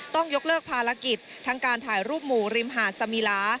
ต้องยกเลิกภารกิจทั้งการถ่ายรูปหมู่ริมหาดสมิลา